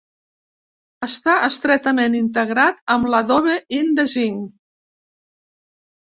Està estretament integrat amb l'Adobe InDesign.